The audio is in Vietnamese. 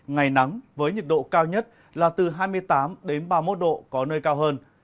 ngày nắng với nhiệt độ cao nhất là từ hai mươi tám ba mươi một độ có nơi cao hơn